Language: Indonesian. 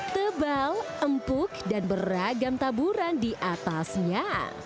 tebal empuk dan beragam taburan di atasnya